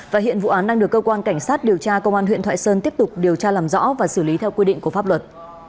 và hiện vụ án đang được cơ quan cảnh sát điều tra công an huyện thoại sơn tiếp tục điều tra làm rõ và xử lý theo quy định của pháp luật